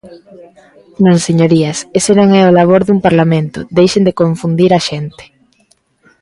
Non, señorías, ese non é o labor dun parlamento, deixen de confundir a xente.